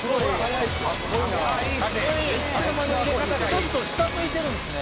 「ちょっと下向いてるんですね」